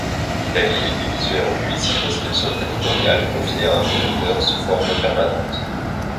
L’Italie est divisée en huit circonscriptions territoriales confiées à un correcteur sous forme permanente.